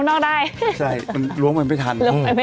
โดยยล้วงไม่ไม่ทัน